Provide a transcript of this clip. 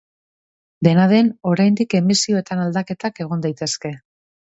Dena den, oraindik emisioetan aldaketak egon daitezke.